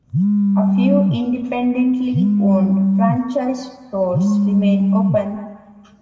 A few independently owned franchise stores remain open.